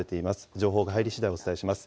情報が入りしだい、お伝えします。